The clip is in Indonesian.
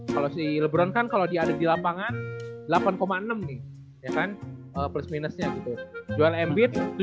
kalau si lebron kan kalau dia ada di lapangan delapan enam nih plus minusnya gitu